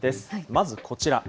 まずこちら。